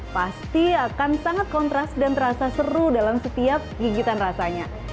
pasti akan sangat kontras dan terasa seru dalam setiap gigitan rasanya